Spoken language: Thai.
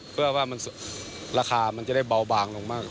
เพื่อว่าราคามันจะได้เบาบางลงมาก